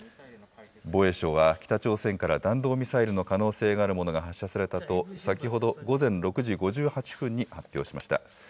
防衛省は、北朝鮮から弾道ミサイルの可能性があるものが発射されたと、先ほど午前６時５８分に発表しました。